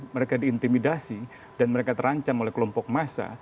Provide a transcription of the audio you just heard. mereka diintimidasi dan mereka terancam oleh kelompok massa